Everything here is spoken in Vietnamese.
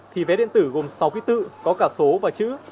thì vé điện tử gồm sáu quý tự có cả số và chữ